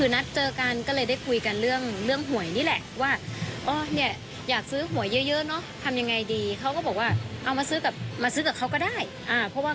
นัดเจอกันก็เลยได้คุยกันเรื่องหวยนี่แหละว่าเนี่ยอยากซื้อหวยเยอะเนอะทำยังไงดีเขาก็บอกว่าเอามาซื้อกับมาซื้อกับเขาก็ได้เพราะว่า